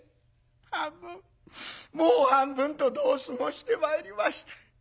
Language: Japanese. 半分もう半分と度を過ごしてまいりました。